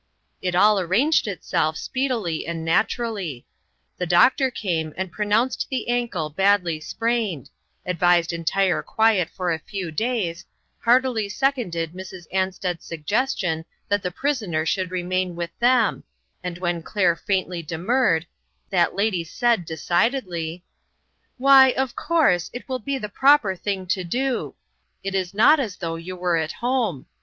It all arranged itself speedily and naturally. 146 INTERRUPTED. The doctor came and pronounced the ankle badly sprained, advised entire quiet for a few days, heartily seconded Mrs. Ansted's sugges tion that the prisoner should remain with them, and when Claire faintly demurred, that lady said, decidedly :" Wh} , of course, it will be the proper thing to do. It is not as though you were at home.